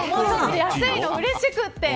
安いのうれしくて。